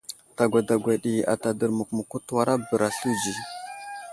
Dagwa dagwa ɗi ata dərmuk muku təwara bəra slunzi.